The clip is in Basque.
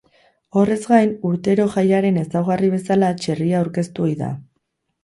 Horrez gain, urtero jaiaren ezaugarri bezala txerria aurkeztu ohi da.